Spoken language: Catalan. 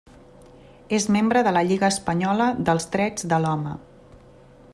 És membre de la Lliga Espanyola dels Drets de l'Home.